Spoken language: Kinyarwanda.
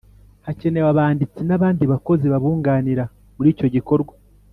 Hakenewe abanditsi n’abandi bakozi babunganira muri icyo gikorwa